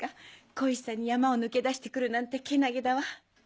恋しさに山を抜け出して来るなんてけなげだわ。